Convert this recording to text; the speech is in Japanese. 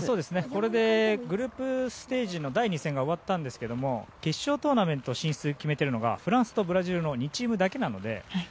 これでグループステージの第２戦が終わったんですけども決勝トーナメント進出を決めているのがフランスとブラジルの２チームだけなので。